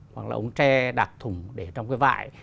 hoặc là ống tre đặc thùng để trong cái vại